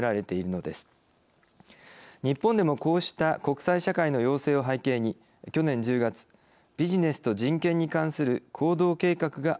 日本でもこうした国際社会の要請を背景に去年１０月ビジネスと人権に関する行動計画がまとめられました。